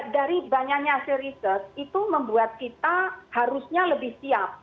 dari banyaknya hasil riset itu membuat kita harusnya lebih siap